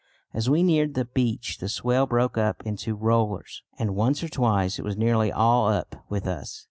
As we neared the beach the swell broke up into rollers, and once or twice it was nearly all up with us.